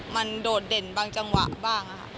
มันโดดเด่นบางจังหวะบ้างค่ะ